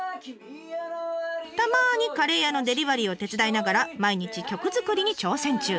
たまにカレー屋のデリバリーを手伝いながら毎日曲作りに挑戦中。